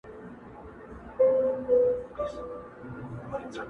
جل وهلی سوځېدلی د مودو مودو راهیسي,